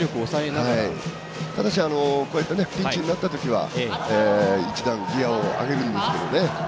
ただし、こうやってピンチになったときは１段ギアを上げるんですけどね。